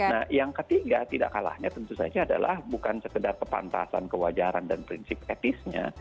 nah yang ketiga tidak kalahnya tentu saja adalah bukan sekedar kepantasan kewajaran dan prinsip etisnya